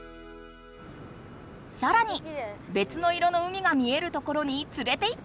さらにべつの色の海が見えるところにつれていってくれた。